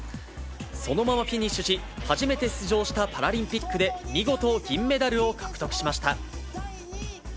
そのままフィニッシュし、初めて出場したパラリンピックで見事、銀メダルを獲得しました。